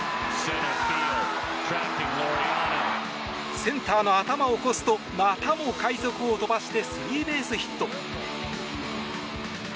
センターの頭を越すとまたも快足を飛ばしてスリーベースヒット。